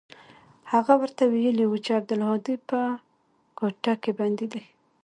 هغه ورته ويلي و چې عبدالهادي په کوټه کښې بندي دى.